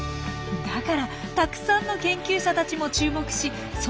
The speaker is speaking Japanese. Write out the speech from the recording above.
だからたくさんの研究者たちも注目しその変化を追っているんです。